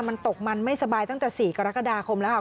มันตกมันไม่สบายตั้งแต่๔กรกฎาคมแล้วค่ะ